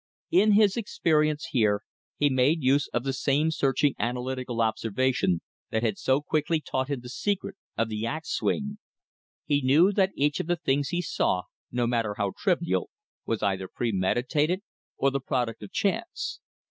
In his experience here he made use of the same searching analytical observation that had so quickly taught him the secret of the ax swing. He knew that each of the things he saw, no matter how trivial, was either premeditated or the product of chance.